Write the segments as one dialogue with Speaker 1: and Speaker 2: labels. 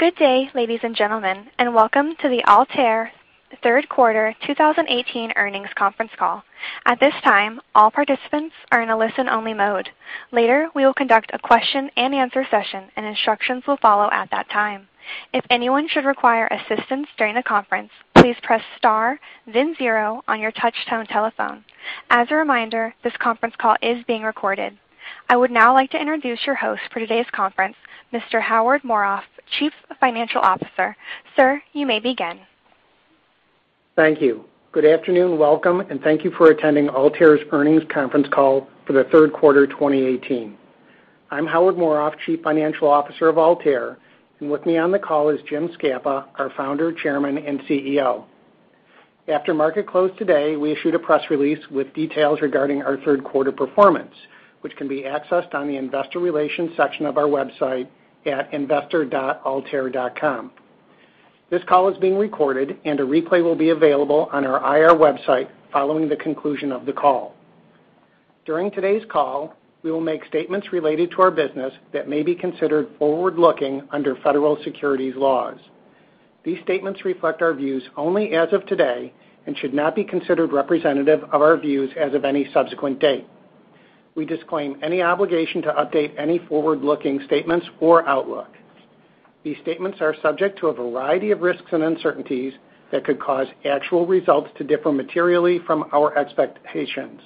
Speaker 1: Good day, ladies and gentlemen, and welcome to the Altair Third Quarter 2018 Earnings Conference Call. At this time, all participants are in a listen-only mode. Later, we will conduct a question and answer session, and instructions will follow at that time. If anyone should require assistance during the conference, please press star then zero on your touchtone telephone. As a reminder, this conference call is being recorded. I would now like to introduce your host for today's conference, Mr. Howard Morof, Chief Financial Officer. Sir, you may begin.
Speaker 2: Thank you. Good afternoon, welcome, and thank you for attending Altair's earnings conference call for the third quarter 2018. I'm Howard Morof, Chief Financial Officer of Altair, and with me on the call is Jim Scapa, our Founder, Chairman, and CEO. After market close today, we issued a press release with details regarding our third quarter performance, which can be accessed on the investor relations section of our website at investor.altair.com. This call is being recorded, and a replay will be available on our IR website following the conclusion of the call. During today's call, we will make statements related to our business that may be considered forward-looking under federal securities laws. These statements reflect our views only as of today and should not be considered representative of our views as of any subsequent date. We disclaim any obligation to update any forward-looking statements or outlook. These statements are subject to a variety of risks and uncertainties that could cause actual results to differ materially from our expectations.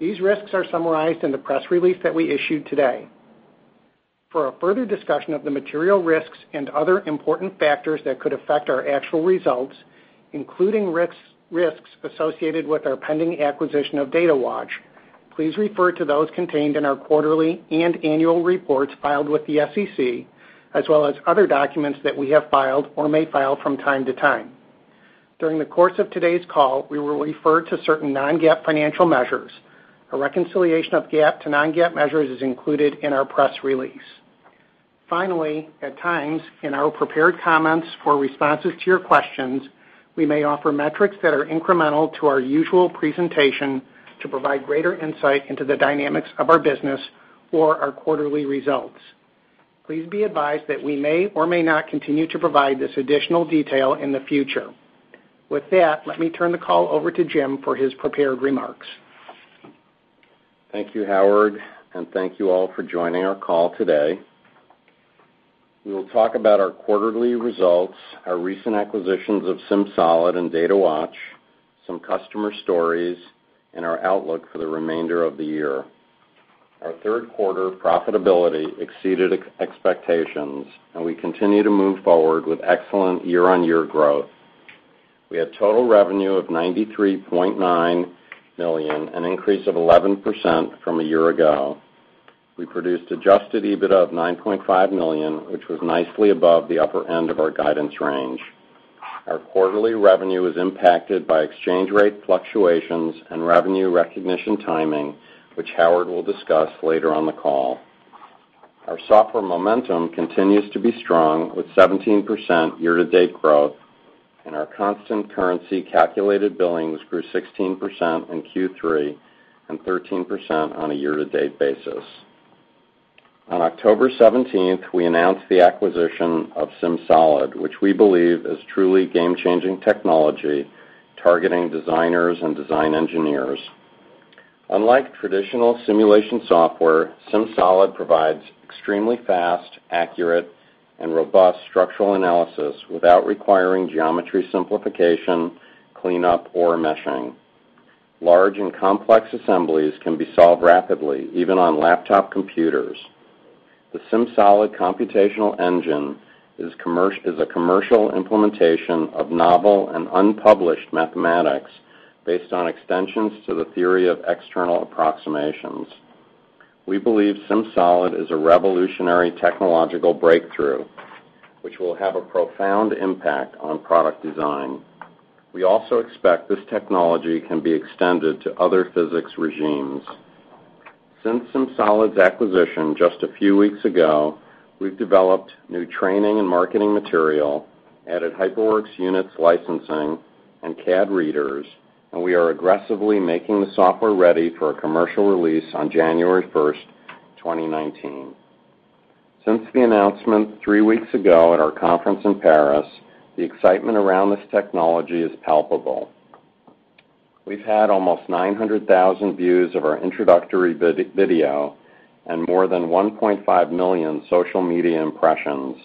Speaker 2: These risks are summarized in the press release that we issued today. For a further discussion of the material risks and other important factors that could affect our actual results, including risks associated with our pending acquisition of Datawatch, please refer to those contained in our quarterly and annual reports filed with the SEC, as well as other documents that we have filed or may file from time to time. During the course of today's call, we will refer to certain non-GAAP financial measures. A reconciliation of GAAP to non-GAAP measures is included in our press release. Finally, at times, in our prepared comments or responses to your questions, we may offer metrics that are incremental to our usual presentation to provide greater insight into the dynamics of our business or our quarterly results. Please be advised that we may or may not continue to provide this additional detail in the future. With that, let me turn the call over to Jim for his prepared remarks.
Speaker 3: Thank you, Howard, and thank you all for joining our call today. We will talk about our quarterly results, our recent acquisitions of SimSolid and Datawatch, some customer stories, and our outlook for the remainder of the year. Our third quarter profitability exceeded expectations, and we continue to move forward with excellent year-on-year growth. We had total revenue of $93.9 million, an increase of 11% from a year ago. We produced adjusted EBITDA of $9.5 million, which was nicely above the upper end of our guidance range. Our quarterly revenue was impacted by exchange rate fluctuations and revenue recognition timing, which Howard will discuss later on the call. Our software momentum continues to be strong with 17% year-to-date growth, and our constant currency calculated billings grew 16% in Q3 and 13% on a year-to-date basis. On October 17th, we announced the acquisition of SimSolid, which we believe is truly game-changing technology targeting designers and design engineers. Unlike traditional simulation software, SimSolid provides extremely fast, accurate, and robust structural analysis without requiring geometry simplification, cleanup, or meshing. Large and complex assemblies can be solved rapidly, even on laptop computers. The SimSolid computational engine is a commercial implementation of novel and unpublished mathematics based on extensions to the theory of external approximations. We believe SimSolid is a revolutionary technological breakthrough, which will have a profound impact on product design. We also expect this technology can be extended to other physics regimes. Since SimSolid's acquisition just a few weeks ago, we've developed new training and marketing material, added HyperWorks units licensing, and CAD readers, and we are aggressively making the software ready for a commercial release on January 1st, 2019. Since the announcement three weeks ago at our conference in Paris, the excitement around this technology is palpable. We've had almost 900,000 views of our introductory video and more than 1.5 million social media impressions.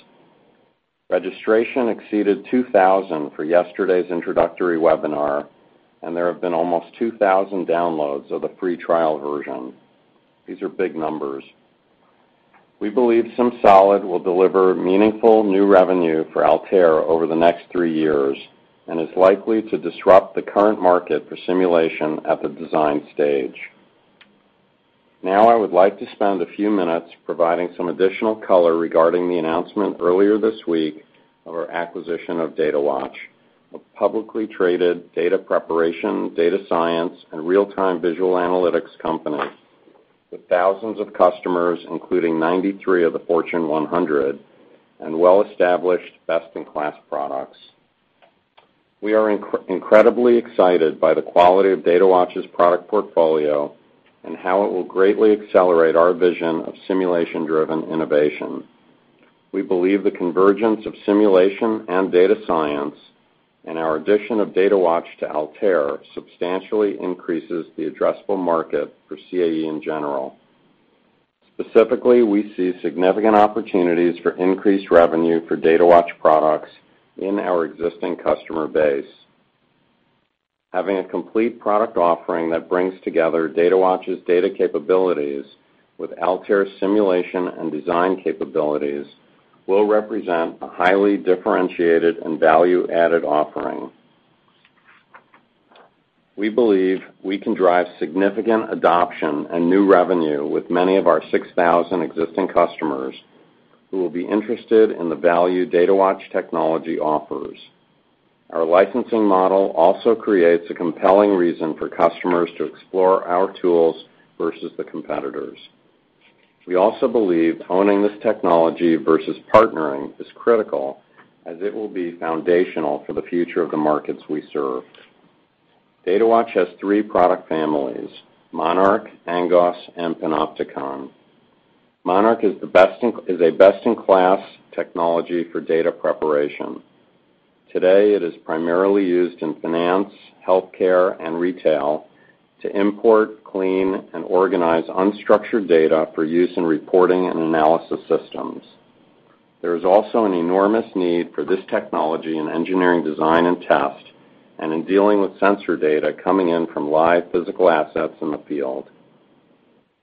Speaker 3: Registration exceeded 2,000 for yesterday's introductory webinar, and there have been almost 2,000 downloads of the free trial version. These are big numbers. We believe SimSolid will deliver meaningful new revenue for Altair over the next three years and is likely to disrupt the current market for simulation at the design stage. Now I would like to spend a few minutes providing some additional color regarding the announcement earlier this week of our acquisition of Datawatch, a publicly traded data preparation, data science, and real-time visual analytics company with thousands of customers, including 93 of the Fortune 100 and well-established best-in-class products. We are incredibly excited by the quality of Datawatch's product portfolio and how it will greatly accelerate our vision of simulation-driven innovation. We believe the convergence of simulation and data science and our addition of Datawatch to Altair substantially increases the addressable market for CAE in general. Specifically, we see significant opportunities for increased revenue for Datawatch products in our existing customer base. Having a complete product offering that brings together Datawatch's data capabilities with Altair simulation and design capabilities will represent a highly differentiated and value-added offering. We believe we can drive significant adoption and new revenue with many of our 6,000 existing customers who will be interested in the value Datawatch technology offers. Our licensing model also creates a compelling reason for customers to explore our tools versus the competitors. We also believe owning this technology versus partnering is critical, as it will be foundational for the future of the markets we serve. Datawatch has three product families, Monarch, Angoss, and Panopticon. Monarch is a best-in-class technology for data preparation. Today, it is primarily used in finance, healthcare, and retail to import, clean, and organize unstructured data for use in reporting and analysis systems. There is also an enormous need for this technology in engineering design and test, and in dealing with sensor data coming in from live physical assets in the field.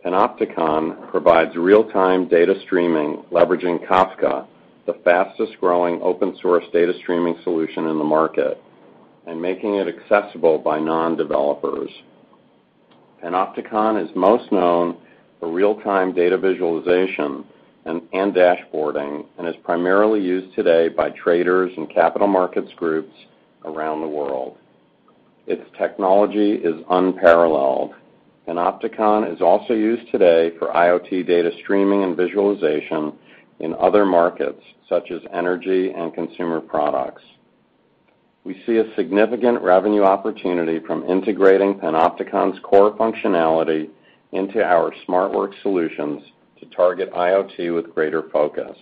Speaker 3: Panopticon provides real-time data streaming leveraging Kafka, the fastest-growing open-source data streaming solution in the market, and making it accessible by non-developers. Panopticon is most known for real-time data visualization and dashboarding, and is primarily used today by traders and capital markets groups around the world. Its technology is unparalleled. Panopticon is also used today for IoT data streaming and visualization in other markets, such as energy and consumer products. We see a significant revenue opportunity from integrating Panopticon's core functionality into our SmartWorks solutions to target IoT with greater focus.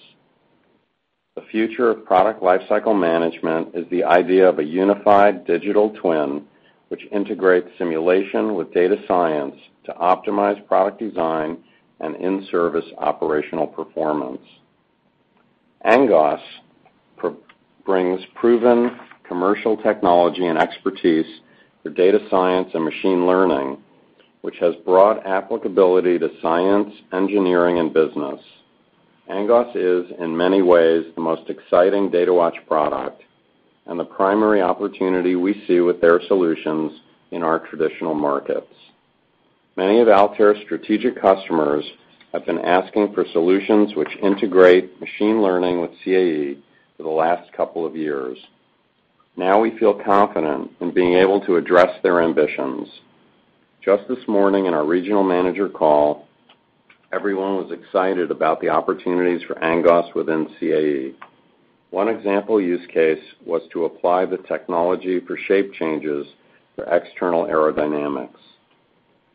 Speaker 3: The future of product lifecycle management is the idea of a unified digital twin, which integrates simulation with data science to optimize product design and in-service operational performance. Angoss brings proven commercial technology and expertise for data science and machine learning, which has broad applicability to science, engineering, and business. Angoss is, in many ways, the most exciting Datawatch product and the primary opportunity we see with their solutions in our traditional markets. Many of Altair's strategic customers have been asking for solutions which integrate machine learning with CAE for the last couple of years. Now we feel confident in being able to address their ambitions. Just this morning in our regional manager call, everyone was excited about the opportunities for Angoss within CAE. One example use case was to apply the technology for shape changes for external aerodynamics.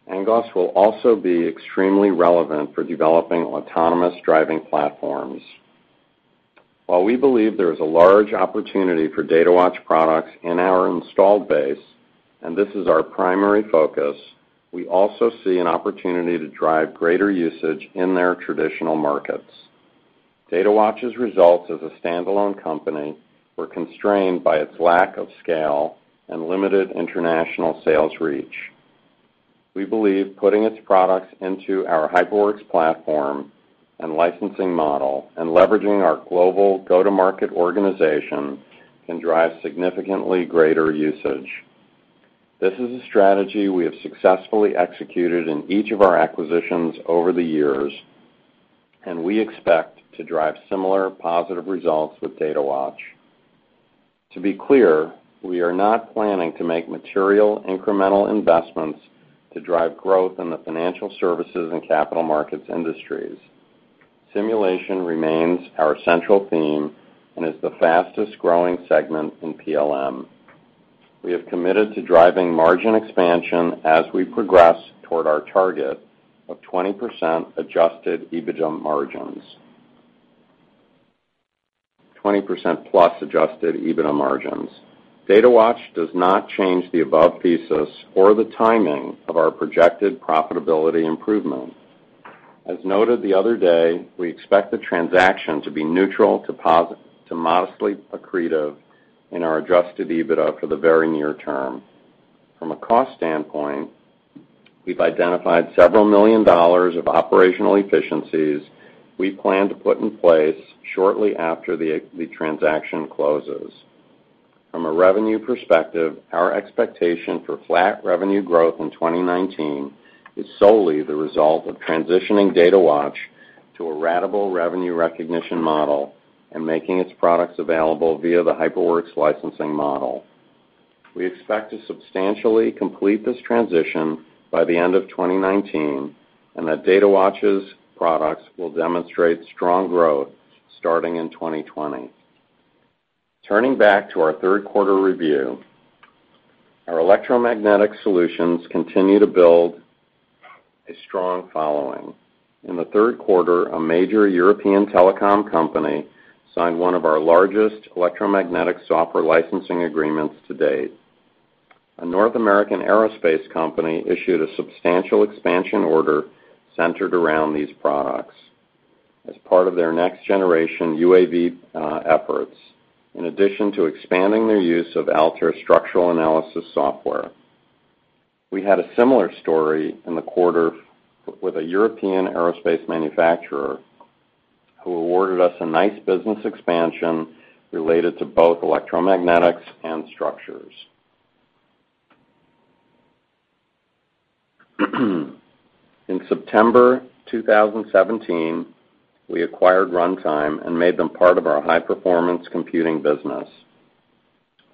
Speaker 3: Angoss will also be extremely relevant for developing autonomous driving platforms. While we believe there is a large opportunity for Datawatch products in our installed base, and this is our primary focus, we also see an opportunity to drive greater usage in their traditional markets. Datawatch's results as a standalone company were constrained by its lack of scale and limited international sales reach. We believe putting its products into our HyperWorks platform and licensing model and leveraging our global go-to-market organization can drive significantly greater usage. This is a strategy we have successfully executed in each of our acquisitions over the years, and we expect to drive similar positive results with Datawatch. To be clear, we are not planning to make material incremental investments to drive growth in the financial services and capital markets industries. Simulation remains our central theme and is the fastest-growing segment in PLM. We have committed to driving margin expansion as we progress toward our target of 20% plus adjusted EBITDA margins. Datawatch does not change the above thesis or the timing of our projected profitability improvement. As noted the other day, we expect the transaction to be neutral to modestly accretive in our adjusted EBITDA for the very near term. From a cost standpoint, we've identified several million dollars of operational efficiencies we plan to put in place shortly after the transaction closes. From a revenue perspective, our expectation for flat revenue growth in 2019 is solely the result of transitioning Datawatch to a ratable revenue recognition model and making its products available via the HyperWorks licensing model. We expect to substantially complete this transition by the end of 2019, and that Datawatch's products will demonstrate strong growth starting in 2020. Turning back to our third quarter review, our electromagnetic solutions continue to build a strong following. In the third quarter, a major European telecom company signed one of our largest electromagnetic software licensing agreements to date. A North American aerospace company issued a substantial expansion order centered around these products as part of their next-generation UAV efforts, in addition to expanding their use of Altair structural analysis software. We had a similar story in the quarter with a European aerospace manufacturer who awarded us a nice business expansion related to both electromagnetics and structures. In September 2017, we acquired Runtime and made them part of our high-performance computing business.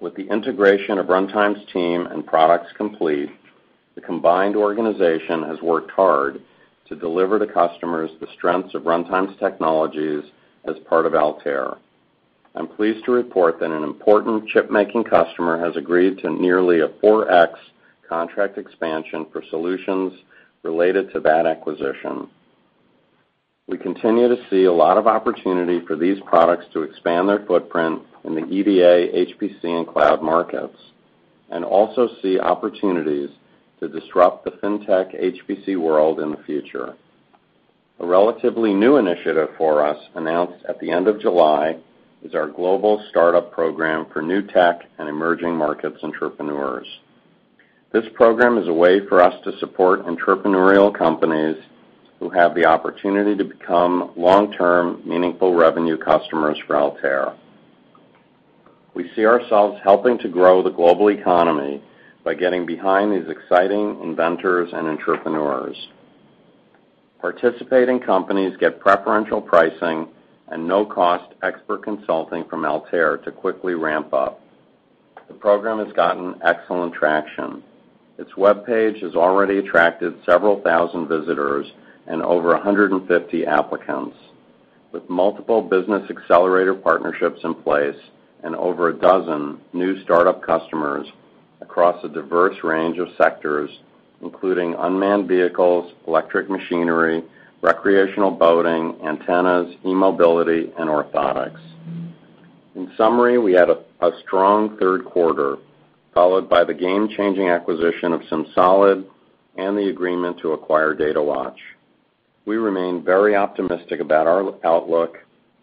Speaker 3: With the integration of Runtime's team and products complete, the combined organization has worked hard to deliver to customers the strengths of Runtime's technologies as part of Altair. I'm pleased to report that an important chipmaking customer has agreed to nearly a 4x contract expansion for solutions related to that acquisition. We continue to see a lot of opportunity for these products to expand their footprint in the EDA, HPC, and cloud markets, also see opportunities to disrupt the FinTech HPC world in the future. A relatively new initiative for us, announced at the end of July, is our global startup program for new tech and emerging markets entrepreneurs. This program is a way for us to support entrepreneurial companies who have the opportunity to become long-term, meaningful revenue customers for Altair. We see ourselves helping to grow the global economy by getting behind these exciting inventors and entrepreneurs. Participating companies get preferential pricing and no-cost expert consulting from Altair to quickly ramp up. The program has gotten excellent traction. Its webpage has already attracted several thousand visitors and over 150 applicants, with multiple business accelerator partnerships in place and over a dozen new startup customers across a diverse range of sectors, including unmanned vehicles, electric machinery, recreational boating, antennas, e-mobility, and orthotics. In summary, we had a strong third quarter, followed by the game-changing acquisition of SimSolid and the agreement to acquire Datawatch. We remain very optimistic about our outlook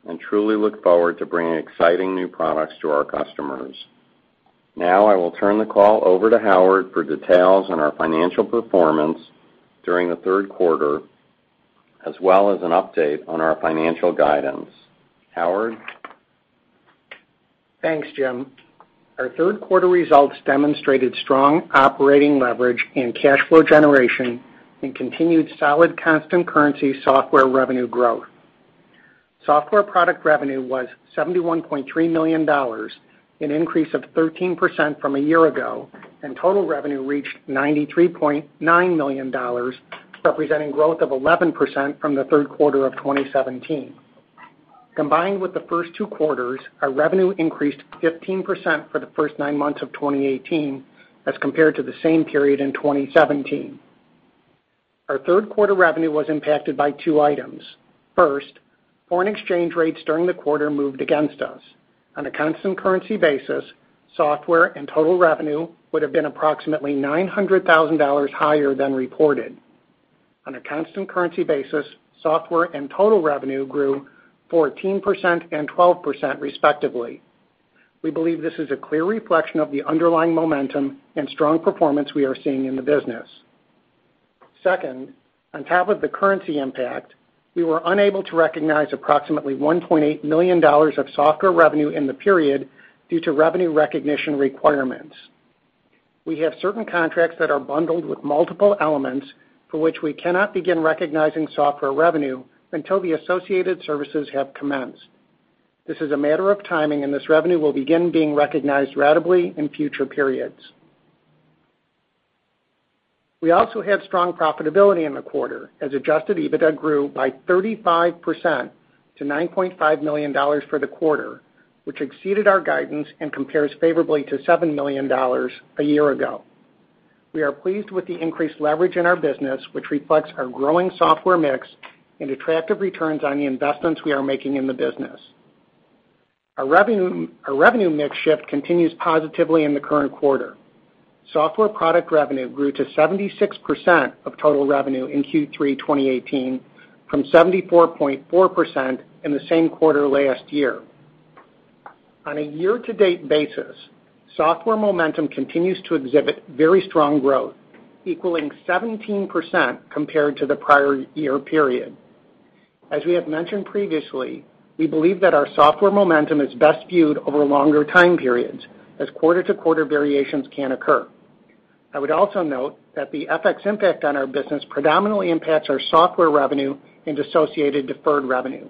Speaker 3: and truly look forward to bringing exciting new products to our customers. Now, I will turn the call over to Howard for details on our financial performance during the third quarter, as well as an update on our financial guidance. Howard?
Speaker 2: Thanks, Jim. Our third quarter results demonstrated strong operating leverage in cash flow generation and continued solid constant currency software revenue growth. Software product revenue was $71.3 million, an increase of 13% from a year ago, and total revenue reached $93.9 million, representing growth of 11% from the third quarter of 2017. Combined with the first two quarters, our revenue increased 15% for the first nine months of 2018 as compared to the same period in 2017. Our third quarter revenue was impacted by two items. First, foreign exchange rates during the quarter moved against us. On a constant currency basis, software and total revenue would've been approximately $900,000 higher than reported. On a constant currency basis, software and total revenue grew 14% and 12%, respectively. We believe this is a clear reflection of the underlying momentum and strong performance we are seeing in the business. Second, on top of the currency impact, we were unable to recognize approximately $1.8 million of software revenue in the period due to revenue recognition requirements. We have certain contracts that are bundled with multiple elements for which we cannot begin recognizing software revenue until the associated services have commenced. This is a matter of timing, and this revenue will begin being recognized ratably in future periods. We also had strong profitability in the quarter, as adjusted EBITDA grew by 35% to $9.5 million for the quarter, which exceeded our guidance and compares favorably to $7 million a year ago. We are pleased with the increased leverage in our business, which reflects our growing software mix and attractive returns on the investments we are making in the business. Our revenue mix shift continues positively in the current quarter. Software product revenue grew to 76% of total revenue in Q3 2018 from 74.4% in the same quarter last year. On a year-to-date basis, software momentum continues to exhibit very strong growth, equaling 17% compared to the prior year period. As we have mentioned previously, we believe that our software momentum is best viewed over longer time periods, as quarter-to-quarter variations can occur. I would also note that the FX impact on our business predominantly impacts our software revenue and associated deferred revenue.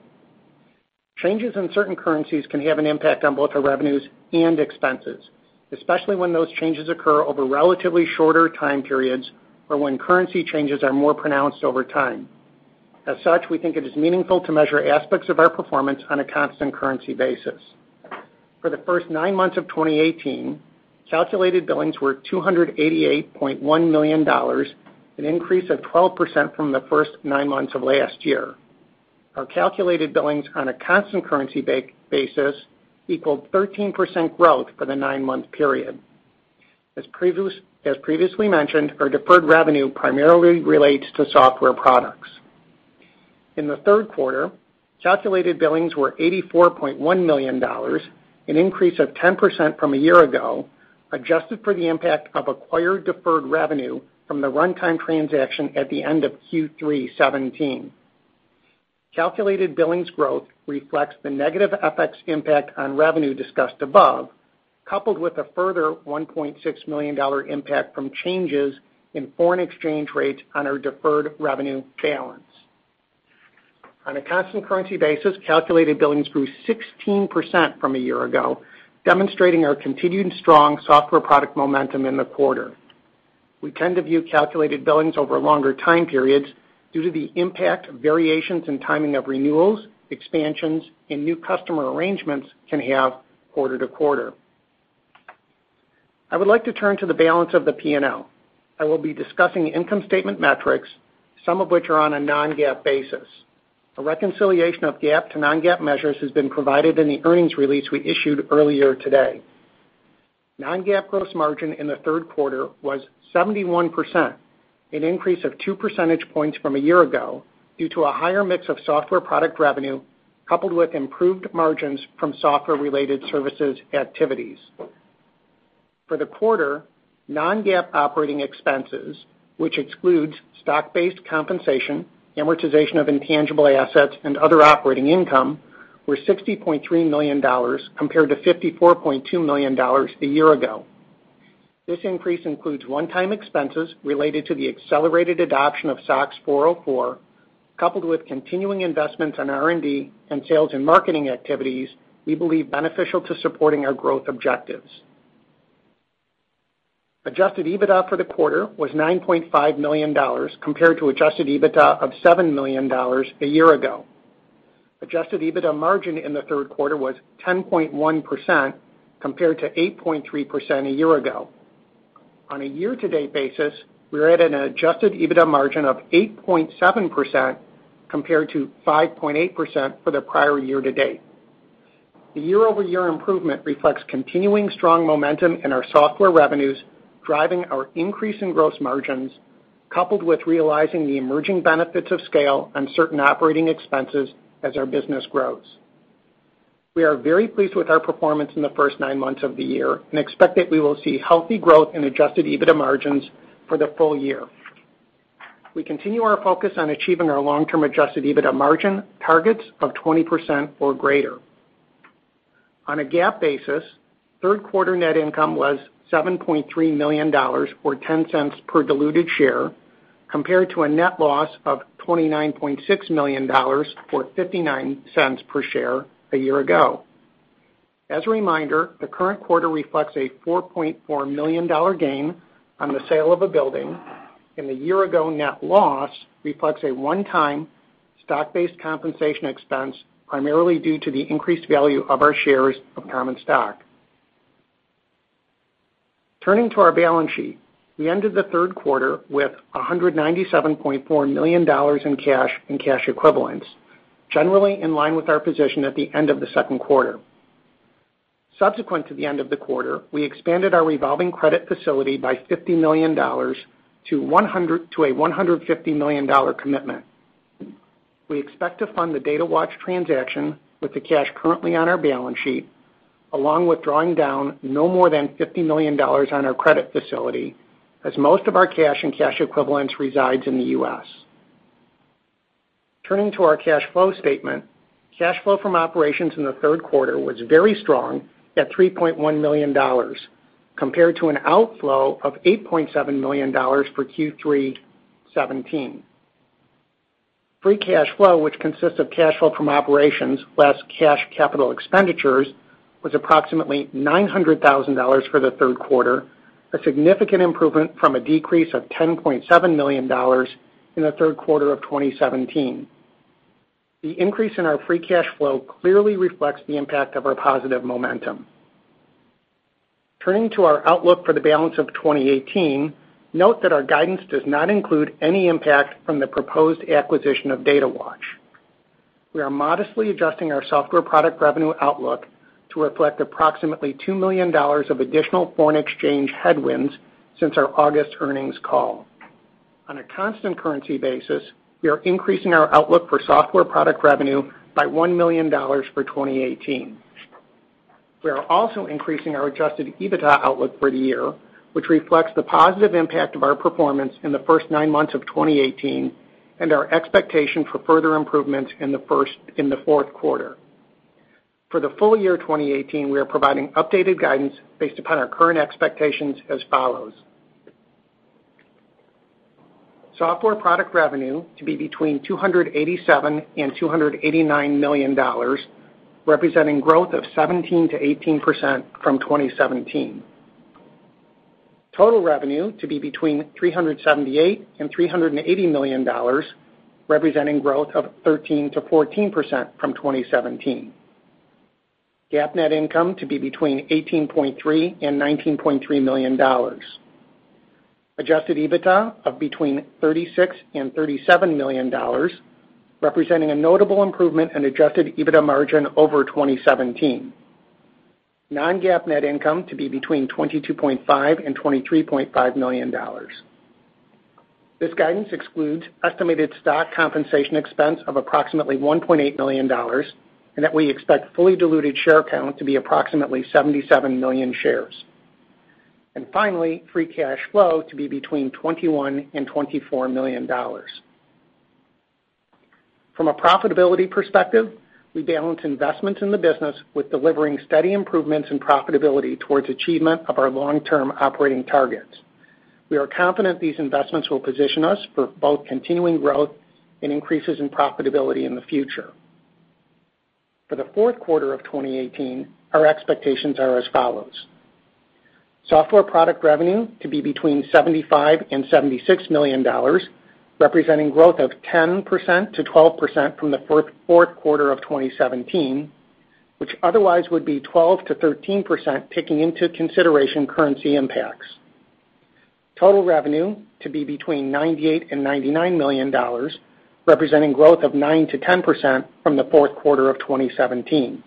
Speaker 2: Changes in certain currencies can have an impact on both our revenues and expenses, especially when those changes occur over relatively shorter time periods, or when currency changes are more pronounced over time. As such, we think it is meaningful to measure aspects of our performance on a constant currency basis. For the first nine months of 2018, calculated billings were $288.1 million, an increase of 12% from the first nine months of last year. Our calculated billings on a constant currency basis equaled 13% growth for the nine-month period. Previously mentioned, our deferred revenue primarily relates to software products. In the third quarter, calculated billings were $84.1 million, an increase of 10% from a year ago, adjusted for the impact of acquired deferred revenue from the Runtime transaction at the end of Q3 2017. Calculated billings growth reflects the negative FX impact on revenue discussed above, coupled with a further $1.6 million impact from changes in foreign exchange rates on our deferred revenue balance. On a constant currency basis, calculated billings grew 16% from a year ago, demonstrating our continued strong software product momentum in the quarter. We tend to view calculated billings over longer time periods due to the impact of variations in timing of renewals, expansions, and new customer arrangements can have quarter-to-quarter. I would like to turn to the balance of the P&L. I will be discussing income statement metrics, some of which are on a non-GAAP basis. A reconciliation of GAAP to non-GAAP measures has been provided in the earnings release we issued earlier today. Non-GAAP gross margin in the third quarter was 71%, an increase of two percentage points from a year ago due to a higher mix of software product revenue, coupled with improved margins from software-related services activities. For the quarter, non-GAAP operating expenses, which excludes stock-based compensation, amortization of intangible assets and other operating income, were $60.3 million compared to $54.2 million a year ago. This increase includes one-time expenses related to the accelerated adoption of SOX 404, coupled with continuing investments in R&D and sales and marketing activities we believe beneficial to supporting our growth objectives. Adjusted EBITDA for the quarter was $9.5 million, compared to adjusted EBITDA of $7 million a year ago. Adjusted EBITDA margin in the third quarter was 10.1%, compared to 8.3% a year ago. On a year-to-date basis, we are at an adjusted EBITDA margin of 8.7%, compared to 5.8% for the prior year-to-date. The year-over-year improvement reflects continuing strong momentum in our software revenues, driving our increase in gross margins, coupled with realizing the emerging benefits of scale on certain operating expenses as our business grows. We are very pleased with our performance in the first nine months of the year and expect that we will see healthy growth in adjusted EBITDA margins for the full year. We continue our focus on achieving our long-term adjusted EBITDA margin targets of 20% or greater. On a GAAP basis, third quarter net income was $7.3 million, or $0.10 per diluted share, compared to a net loss of $29.6 million, or $0.59 per share a year ago. As a reminder, the current quarter reflects a $4.4 million gain on the sale of a building, and the year-ago net loss reflects a one-time stock-based compensation expense, primarily due to the increased value of our shares of common stock. Turning to our balance sheet, we ended the third quarter with $197.4 million in cash and cash equivalents, generally in line with our position at the end of the second quarter. Subsequent to the end of the quarter, we expanded our revolving credit facility by $50 million to a $150 million commitment. We expect to fund the Datawatch transaction with the cash currently on our balance sheet, along with drawing down no more than $50 million on our credit facility, as most of our cash and cash equivalents resides in the U.S. Turning to our cash flow statement, cash flow from operations in the third quarter was very strong at $3.1 million, compared to an outflow of $8.7 million for Q3 2017. Free cash flow, which consists of cash flow from operations less cash capital expenditures, was approximately $900,000 for the third quarter, a significant improvement from a decrease of $10.7 million in the third quarter of 2017. The increase in our free cash flow clearly reflects the impact of our positive momentum. Turning to our outlook for the balance of 2018, note that our guidance does not include any impact from the proposed acquisition of Datawatch. We are modestly adjusting our software product revenue outlook to reflect approximately $2 million of additional foreign exchange headwinds since our August earnings call. On a constant currency basis, we are increasing our outlook for software product revenue by $1 million for 2018. We are also increasing our adjusted EBITDA outlook for the year, which reflects the positive impact of our performance in the first nine months of 2018 and our expectation for further improvements in the fourth quarter. For the full year 2018, we are providing updated guidance based upon our current expectations as follows. Software product revenue to be between $287 and $289 million, representing growth of 17%-18% from 2017. Total revenue to be between $378 and $380 million, representing growth of 13%-14% from 2017. GAAP net income to be between $18.3 and $19.3 million. Adjusted EBITDA of between $36 and $37 million, representing a notable improvement in adjusted EBITDA margin over 2017. Non-GAAP net income to be between $22.5 and $23.5 million. This guidance excludes estimated stock compensation expense of approximately $1.8 million, that we expect fully diluted share count to be approximately 77 million shares. Finally, free cash flow to be between $21 and $24 million. From a profitability perspective, we balance investments in the business with delivering steady improvements in profitability towards achievement of our long-term operating targets. We are confident these investments will position us for both continuing growth and increases in profitability in the future. For the fourth quarter of 2018, our expectations are as follows. Software product revenue to be between $75 and $76 million, representing growth of 10%-12% from the fourth quarter of 2017, which otherwise would be 12%-13%, taking into consideration currency impacts. Total revenue to be between $98 and $99 million, representing growth of 9%-10% from the fourth quarter of 2017.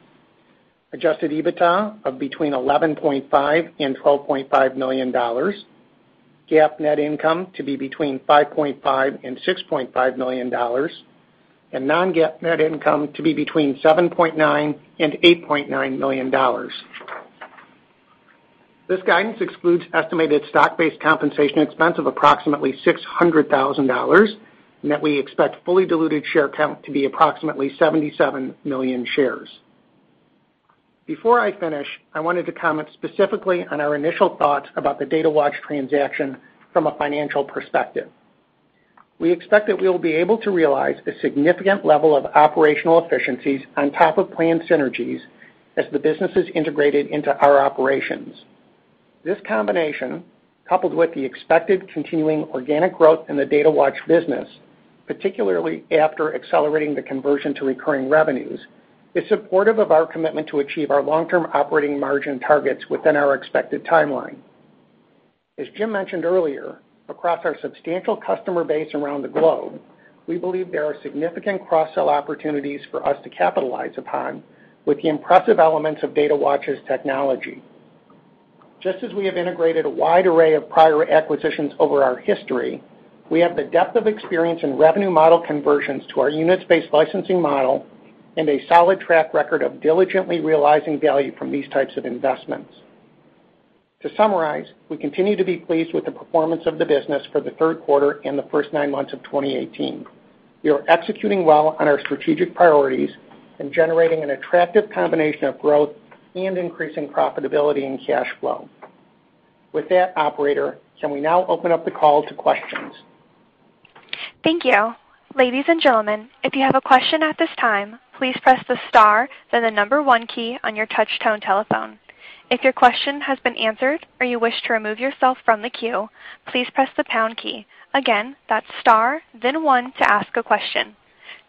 Speaker 2: Adjusted EBITDA of between $11.5 and $12.5 million. GAAP net income to be between $5.5 and $6.5 million. Non-GAAP net income to be between $7.9 and $8.9 million. This guidance excludes estimated stock-based compensation expense of approximately $600,000, that we expect fully diluted share count to be approximately 77 million shares. Before I finish, I wanted to comment specifically on our initial thoughts about the Datawatch transaction from a financial perspective. We expect that we will be able to realize a significant level of operational efficiencies on top of planned synergies as the business is integrated into our operations. This combination, coupled with the expected continuing organic growth in the Datawatch business, particularly after accelerating the conversion to recurring revenues, is supportive of our commitment to achieve our long-term operating margin targets within our expected timeline. As Jim mentioned earlier, across our substantial customer base around the globe, we believe there are significant cross-sell opportunities for us to capitalize upon with the impressive elements of Datawatch's technology. Just as we have integrated a wide array of prior acquisitions over our history, we have the depth of experience in revenue model conversions to our units-based licensing model and a solid track record of diligently realizing value from these types of investments. To summarize, we continue to be pleased with the performance of the business for the third quarter and the first nine months of 2018. We are executing well on our strategic priorities and generating an attractive combination of growth and increasing profitability and cash flow. With that operator, can we now open up the call to questions?
Speaker 1: Thank you. Ladies and gentlemen, if you have a question at this time, please press the star, then the number one key on your touch tone telephone. If your question has been answered, or you wish to remove yourself from the queue, please press the pound key. Again, that's star, then one to ask a question.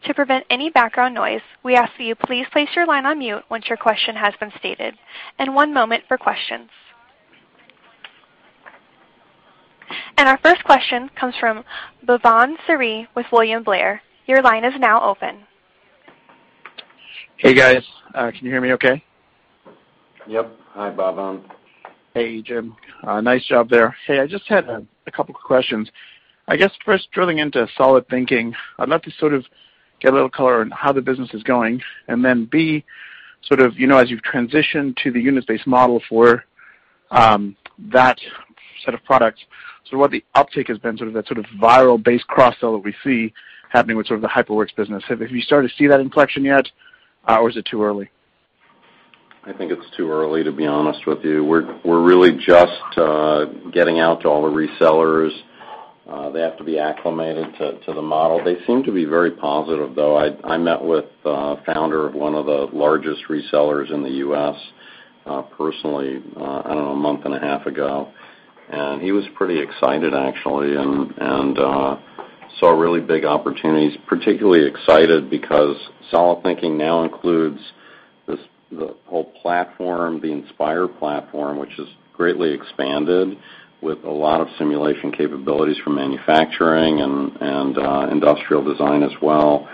Speaker 1: To prevent any background noise, we ask that you please place your line on mute once your question has been stated. One moment for questions. Our first question comes from Bhavan Suri with William Blair. Your line is now open.
Speaker 4: Hey, guys. Can you hear me okay?
Speaker 2: Yep. Hi, Bhavan.
Speaker 4: Hey, Jim. Nice job there. Hey, I just had a couple questions. I guess first, drilling into solidThinking, I'd love to sort of get a little color on how the business is going. Then B, as you've transitioned to the unit-based model for that set of products, what the uptick has been, that viral base cross-sell that we see happening with the HyperWorks business. Have you started to see that inflection yet? Is it too early?
Speaker 2: I think it's too early, to be honest with you. We're really just getting out to all the resellers. They have to be acclimated to the model. They seem to be very positive, though. I met with a founder of one of the largest resellers in the U.S. personally, I don't know, a month and a half ago. He was pretty excited, actually, and saw really big opportunities. Particularly excited because solidThinking now includes the whole platform, the Inspire platform, which has greatly expanded with a lot of simulation capabilities for manufacturing and industrial design as well.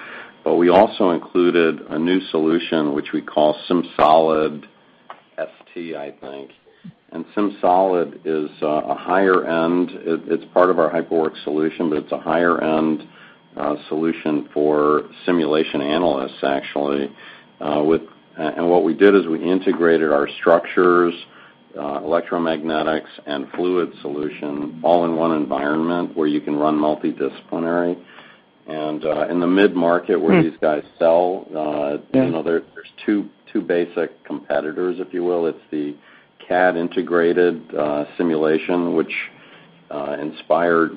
Speaker 2: We also included a new solution, which we call SimLab sT, I think. SimSolid is a higher end. It's part of our HyperWorks solution, but it's a higher-end solution for simulation analysts, actually. What we did is we integrated our structures, electromagnetics, and fluid solution all in one environment where you can run multidisciplinary. In the mid-market where these guys sell.
Speaker 4: Yeah
Speaker 2: There's two basic competitors, if you will. It's the CAD integrated simulation, which Inspire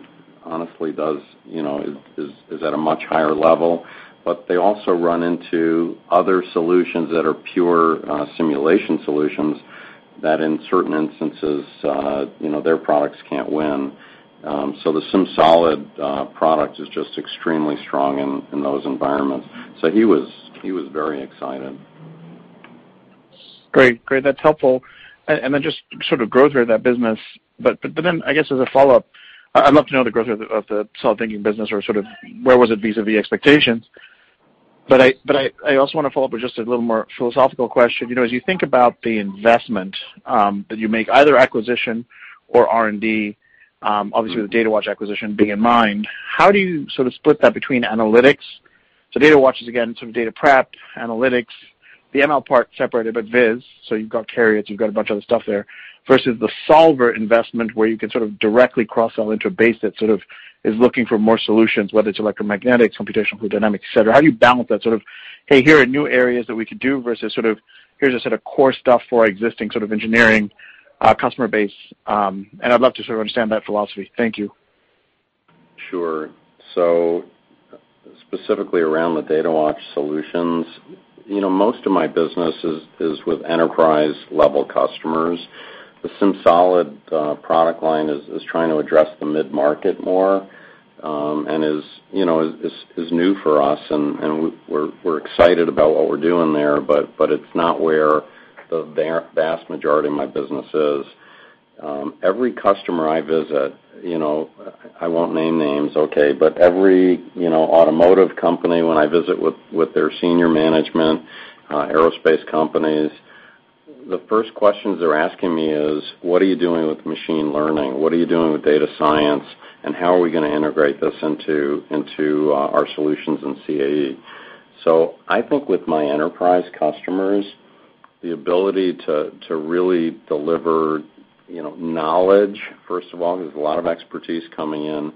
Speaker 2: honestly is at a much higher level. They also run into other solutions that are pure simulation solutions that, in certain instances, their products can't win. The SimSolid product is just extremely strong in those environments. He was very excited.
Speaker 4: Great. That's helpful. Just sort of growth rate of that business. Then, I guess, as a follow-up, I'd love to know the growth rate of the solidThinking business or sort of where was it vis-a-vis expectations. I also want to follow up with just a little more philosophical question. As you think about the investment that you make, either acquisition or R&D, obviously with the Datawatch acquisition being in mind, how do you sort of split that between analytics? Datawatch is, again, sort of data prep, analytics, the ML part separated, but viz, you've got Carriots, you've got a bunch of other stuff there, versus the solver investment, where you can sort of directly cross-sell into a base that sort of is looking for more solutions, whether it's electromagnetics, computational fluid dynamics, et cetera. How do you balance that sort of, hey, here are new areas that we could do versus sort of, here's a set of core stuff for our existing sort of engineering customer base. I'd love to sort of understand that philosophy. Thank you.
Speaker 3: Sure. Specifically around the Datawatch solutions, most of my business is with enterprise-level customers. The SimSolid product line is trying to address the mid-market more, and is new for us, and we're excited about what we're doing there, but it's not where the vast majority of my business is. Every customer I visit, I won't name names, okay, but every automotive company, when I visit with their senior management, aerospace companies, the first questions they're asking me is: What are you doing with machine learning? What are you doing with data science? How are we going to integrate this into our solutions in CAE? I think with my enterprise customers, the ability to really deliver knowledge, first of all, there's a lot of expertise coming in,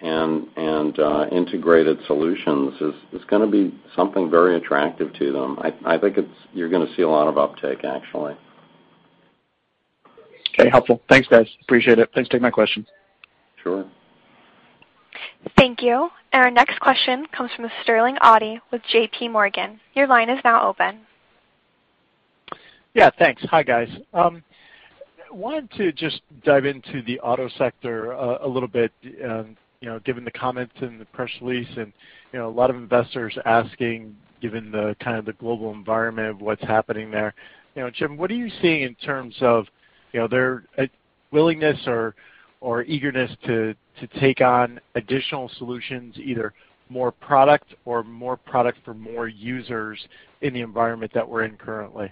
Speaker 3: and integrated solutions is going to be something very attractive to them. I think you're going to see a lot of uptake, actually.
Speaker 4: Okay. Helpful. Thanks, guys. Appreciate it. Please take my question.
Speaker 3: Sure.
Speaker 1: Thank you. Our next question comes from Sterling Auty with JPMorgan. Your line is now open.
Speaker 5: Yeah, thanks. Hi, guys. Wanted to just dive into the auto sector a little bit, given the comments in the press release, and a lot of investors asking, given the kind of the global environment, what's happening there. Jim, what are you seeing in terms of their willingness or eagerness to take on additional solutions, either more product or more product for more users in the environment that we're in currently?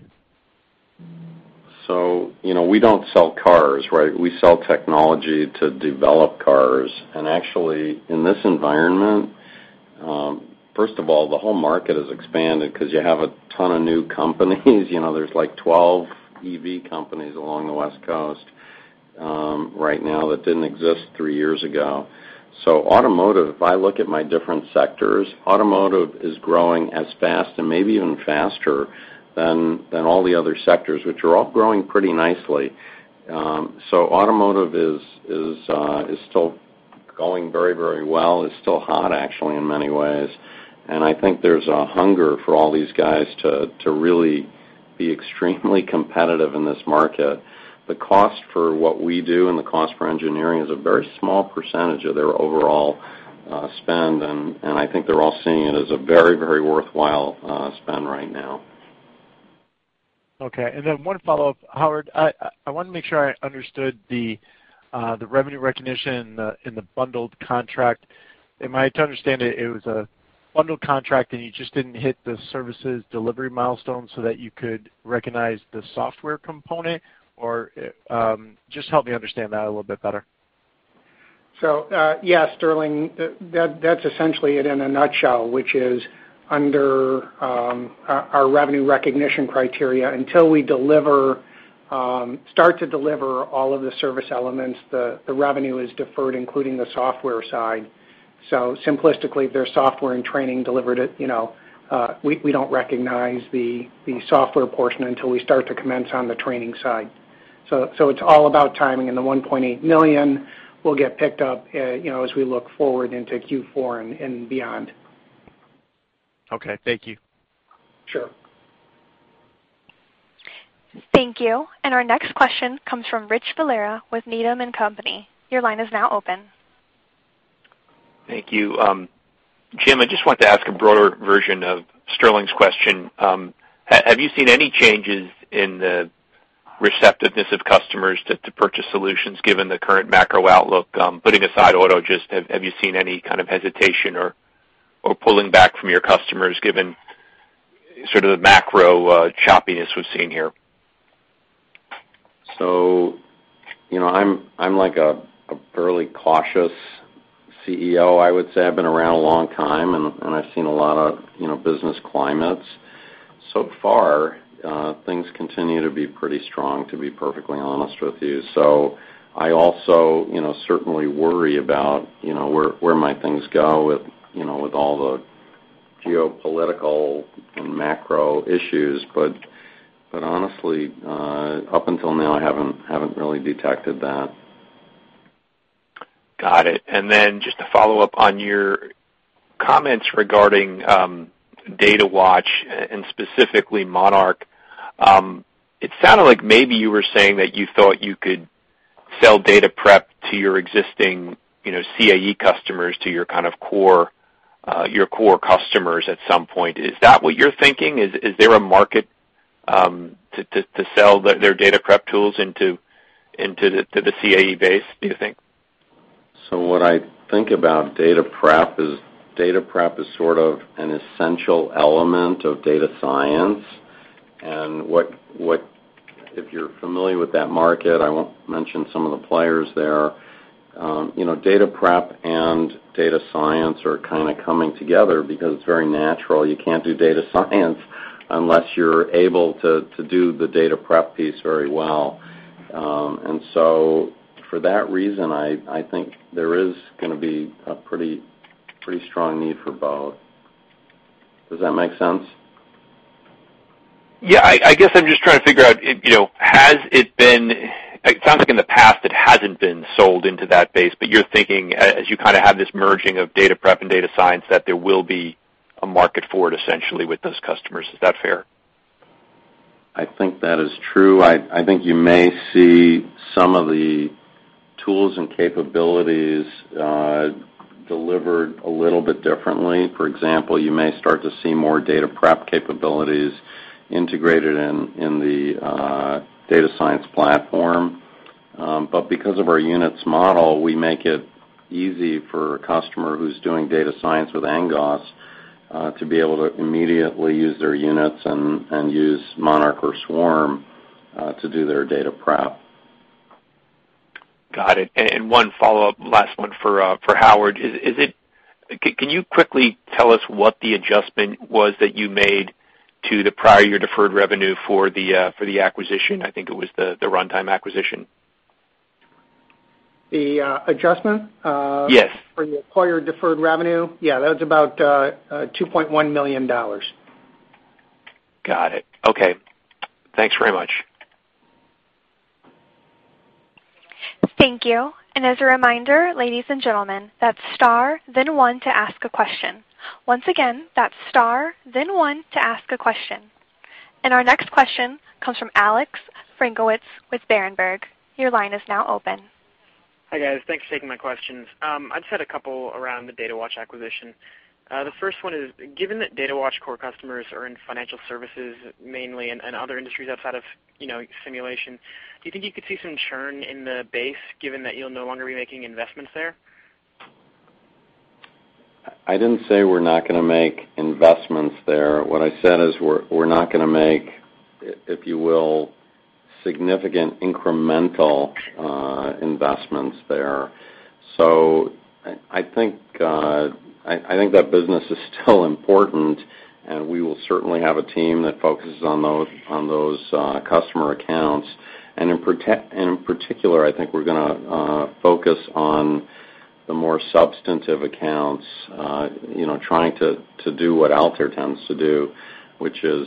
Speaker 3: We don't sell cars, right? We sell technology to develop cars. Actually, in this environment, first of all, the whole market has expanded because you have a ton of new companies. There are like 12 EV companies along the West Coast right now that didn't exist three years ago. Automotive, if I look at my different sectors, automotive is growing as fast and maybe even faster than all the other sectors, which are all growing pretty nicely. Automotive is still going very well. It's still hot, actually, in many ways. I think there's a hunger for all these guys to really be extremely competitive in this market. The cost for what we do and the cost for engineering is a very small % of their overall spend, and I think they're all seeing it as a very worthwhile spend right now.
Speaker 5: Okay. One follow-up. Howard, I want to make sure I understood the revenue recognition in the bundled contract. Am I to understand it was a bundled contract and you just didn't hit the services delivery milestone so that you could recognize the software component? Or just help me understand that a little bit better.
Speaker 2: Yeah, Sterling, that's essentially it in a nutshell, which is under our revenue recognition criteria, until we start to deliver all of the service elements, the revenue is deferred, including the software side. Simplistically, if their software and training delivered it, we don't recognize the software portion until we start to commence on the training side. It's all about timing, and the $1.8 million will get picked up as we look forward into Q4 and beyond.
Speaker 5: Okay. Thank you.
Speaker 2: Sure.
Speaker 1: Thank you. Our next question comes from Richard Valera with Needham & Company. Your line is now open.
Speaker 6: Thank you. Jim, I just wanted to ask a broader version of Sterling's question. Have you seen any changes in the receptiveness of customers to purchase solutions given the current macro outlook? Putting aside auto, just have you seen any kind of hesitation or pulling back from your customers given sort of the macro choppiness we've seen here?
Speaker 3: I'm like a fairly cautious CEO, I would say. I've been around a long time, and I've seen a lot of business climates. So far, things continue to be pretty strong, to be perfectly honest with you. I also certainly worry about where might things go with all the geopolitical and macro issues, but honestly, up until now, I haven't really detected that.
Speaker 6: Got it. Just to follow up on your comments regarding Datawatch and specifically Monarch. It sounded like maybe you were saying that you thought you could sell data prep to your existing CAE customers, to your core customers at some point. Is that what you're thinking? Is there a market to sell their data prep tools into the CAE base, do you think?
Speaker 3: What I think about data prep is data prep is sort of an essential element of data science. If you're familiar with that market, I won't mention some of the players there. Data prep and data science are kind of coming together because it's very natural. You can't do data science unless you're able to do the data prep piece very well. For that reason, I think there is going to be a pretty strong need for both. Does that make sense?
Speaker 6: Yeah, I guess I'm just trying to figure out, it sounds like in the past, it hasn't been sold into that base, you're thinking as you have this merging of data prep and data science, that there will be a market for it essentially with those customers. Is that fair?
Speaker 3: I think that is true. I think you may see some of the tools and capabilities delivered a little bit differently. For example, you may start to see more data prep capabilities integrated in the data science platform. Because of our units model, we make it easy for a customer who's doing data science with Angoss to be able to immediately use their units and use Monarch or Swarm to do their data prep.
Speaker 6: Got it. One follow-up, last one for Howard. Can you quickly tell us what the adjustment was that you made to the prior year deferred revenue for the acquisition? I think it was the Runtime acquisition.
Speaker 2: The adjustment?
Speaker 6: Yes.
Speaker 2: For the acquired deferred revenue? Yeah, that was about $2.1 million.
Speaker 6: Got it. Okay. Thanks very much.
Speaker 1: Thank you. As a reminder, ladies and gentlemen, that's star then one to ask a question. Once again, that's star then one to ask a question. Our next question comes from Alexander Frankiewicz with Berenberg. Your line is now open.
Speaker 7: Hi, guys. Thanks for taking my questions. I just had a couple around the Datawatch acquisition. The first one is, given that Datawatch core customers are in financial services mainly and other industries outside of simulation, do you think you could see some churn in the base given that you'll no longer be making investments there?
Speaker 3: I didn't say we're not going to make investments there. What I said is we're not going to make, if you will, significant incremental investments there. I think that business is still important, and we will certainly have a team that focuses on those customer accounts. In particular, I think we're going to focus on the more substantive accounts, trying to do what Altair tends to do, which is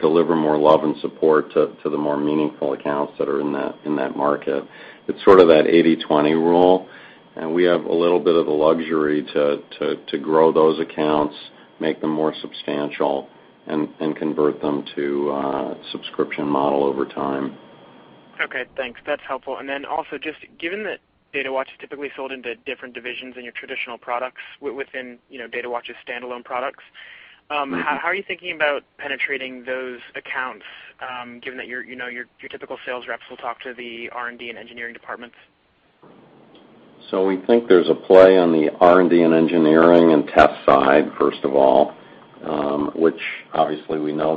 Speaker 3: deliver more love and support to the more meaningful accounts that are in that market. It's sort of that 80/20 rule, and we have a little bit of the luxury to grow those accounts, make them more substantial, and convert them to a subscription model over time.
Speaker 7: Okay, thanks. That's helpful. Then also, just given that Datawatch is typically sold into different divisions than your traditional products within Datawatch's standalone products, how are you thinking about penetrating those accounts, given that your typical sales reps will talk to the R&D and engineering departments?
Speaker 3: We think there's a play on the R&D and engineering and test side, first of all, which obviously we know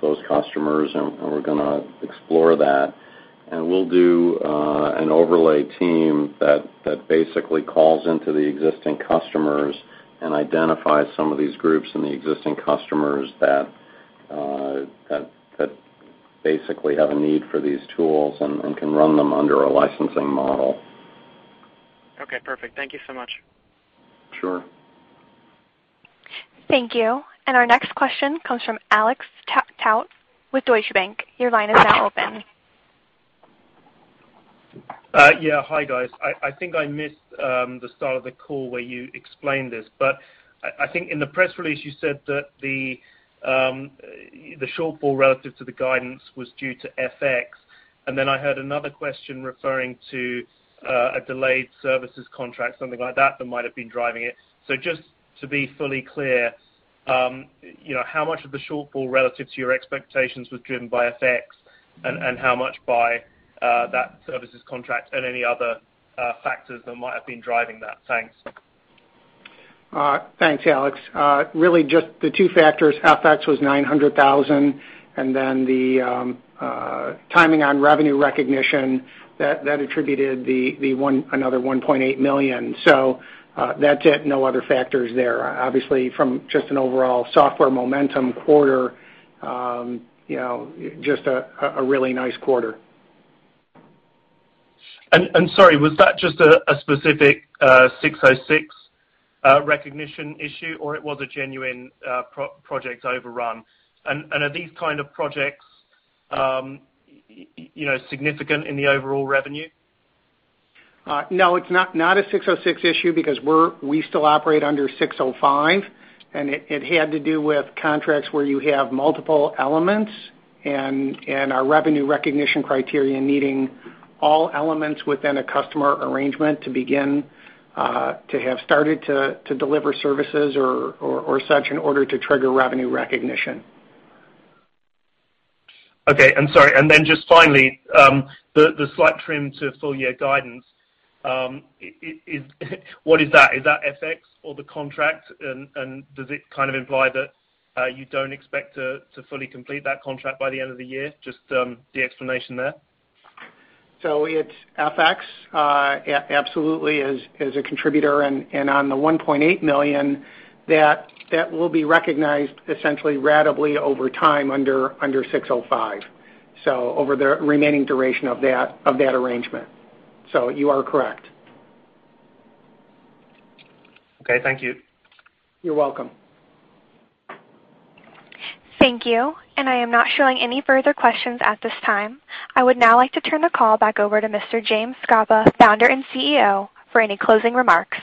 Speaker 3: those customers, and we're going to explore that. We'll do an overlay team that basically calls into the existing customers and identifies some of these groups and the existing customers that basically have a need for these tools and can run them under a licensing model.
Speaker 7: Okay, perfect. Thank you so much.
Speaker 3: Sure.
Speaker 1: Thank you. Our next question comes from Alex Taut with Deutsche Bank. Your line is now open.
Speaker 8: Yeah. Hi guys. I think I missed the start of the call where you explained this, but I think in the press release, you said that the shortfall relative to the guidance was due to FX. Then I heard another question referring to a delayed services contract, something like that might have been driving it. Just to be fully clear, how much of the shortfall relative to your expectations was driven by FX and how much by that services contract and any other factors that might have been driving that? Thanks.
Speaker 2: Thanks, Alex. Really just the two factors. FX was $900,000. Then the timing on revenue recognition that attributed another $1.8 million. That's it, no other factors there. Obviously, from just an overall software momentum quarter, just a really nice quarter.
Speaker 8: Sorry, was that just a specific 606 recognition issue, or it was a genuine project overrun? Are these kind of projects significant in the overall revenue?
Speaker 2: No, it's not a 606 issue because we still operate under 605. It had to do with contracts where you have multiple elements and our revenue recognition criteria needing all elements within a customer arrangement to begin to have started to deliver services or such in order to trigger revenue recognition.
Speaker 8: Okay. Finally, the slight trim to full year guidance, what is that? Is that FX or the contract? Does it kind of imply that you don't expect to fully complete that contract by the end of the year? Just the explanation there.
Speaker 2: It's FX absolutely is a contributor. On the $1.8 million, that will be recognized essentially ratably over time under 605, over the remaining duration of that arrangement. You are correct.
Speaker 8: Okay, thank you.
Speaker 2: You're welcome.
Speaker 1: Thank you. I am not showing any further questions at this time. I would now like to turn the call back over to Mr. Jim Scapa, Founder and CEO, for any closing remarks.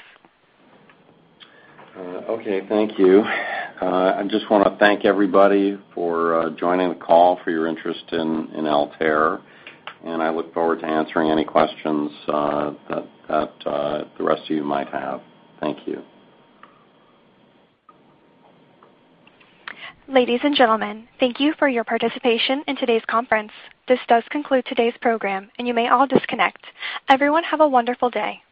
Speaker 3: Okay, thank you. I just want to thank everybody for joining the call, for your interest in Altair, and I look forward to answering any questions that the rest of you might have. Thank you.
Speaker 1: Ladies and gentlemen, thank you for your participation in today's conference. This does conclude today's program, and you may all disconnect. Everyone, have a wonderful day.